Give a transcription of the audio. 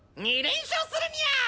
２連勝するニャ！